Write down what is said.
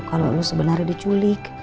kalo lu sebenernya diculik